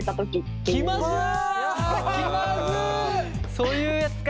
そういうやつか。